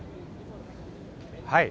はい。